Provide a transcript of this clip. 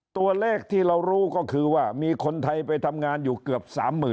ตัวเลขที่เรารู้ก็คือว่ามีคนไทยไปทำงานอยู่เกือบ๓๐๐๐